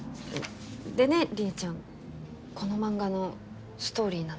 でねりえちゃんこの漫画のストーリーなんだけど。